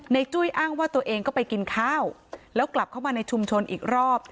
จุ้ยอ้างว่าตัวเองก็ไปกินข้าวแล้วกลับเข้ามาในชุมชนอีกรอบ